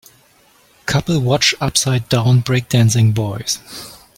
Couple watch upside down breakdancing boys.